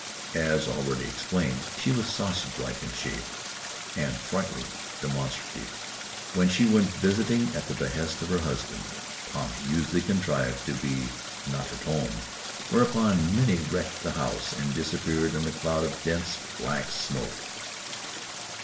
As already explained, she was sausage like in shape, and frightfully demonstrative. When she went visiting at the behest of her husband, Tommy usually contrived to be "not at home," whereupon Minnie wrecked the house and disappeared in a cloud of dense black smoke.